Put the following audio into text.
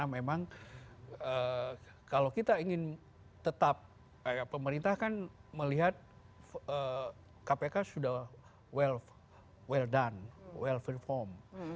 memang kalau kita ingin tetap pemerintah kan melihat kpk sudah well down well perform